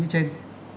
vâng thưa ông